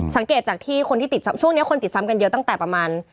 สังเกตจากที่คนที่ติดช่วงนี้คนติดซ้ำกันเยอะตั้งแต่ประมาณ